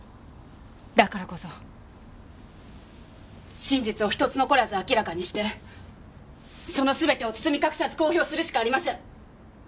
だからこそ真実を一つ残らず明らかにしてその全てを包み隠さず公表するしかありません！